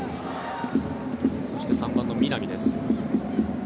そして３番の南です。